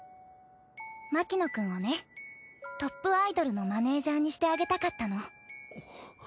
牧野くんをねトップアイドルのマネージャーにしてあげたかったの。